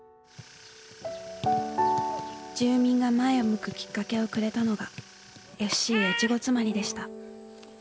住民が前を向くきっかけをくれたのがＦＣ越後妻有でした。